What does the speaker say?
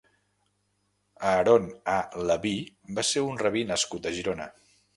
Aaron ha-Leví va ser un rabí nascut a Girona.